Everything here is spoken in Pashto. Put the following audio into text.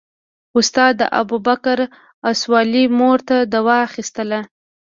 استاد ابوبکر اصولي مور ته دوا اخیستله.